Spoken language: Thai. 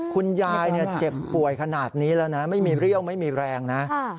คุณยายเจ็บป่วยขนาดนี้แล้วนะไม่มีเรี่ยวไม่มีแรงนะ